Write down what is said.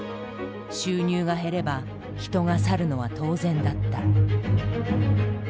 収入が減れば人が去るのは当然だった。